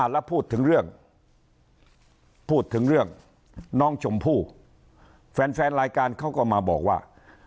แล้วพูดถึงเรื่องน้องชมพู่แฟนรายการเขาก็มาบอกว่า